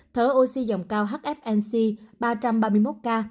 thở oxy dòng cao hfnc ba trăm ba mươi một ca